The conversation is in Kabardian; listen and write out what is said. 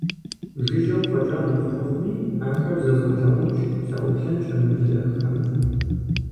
Жыжьэу фӀэкӀа нэхъ мыхъуми, ахэр зэзгъэлъагъунщ, саӀуплъэнщ Ӏэмал иӀэххэмэ.